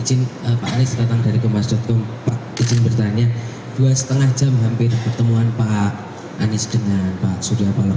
ijin pak anies datang dari gembas com pak ijin bertanya dua setengah jam hampir pertemuan pak anies dengan pak suriapallah